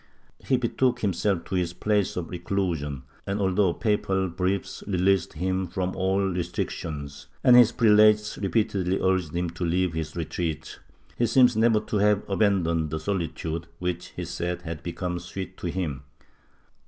He betook himself to his place of reclusion and, although papal briefs released him from all restrictions and his prelates repeatedly urged him to leave his retreat, he seems never to have abandoned the solitude which he said had become sweet to him.